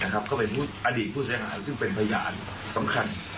เขาเป็นอดีตผู้ต้องหาซึ่งเป็นพยานสำคัญ